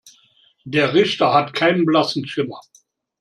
Der Richter hat keinen blassen Schimmer.